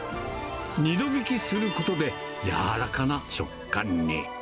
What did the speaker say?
２度びきすることでやわらかな食感に。